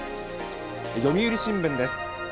読売新聞です。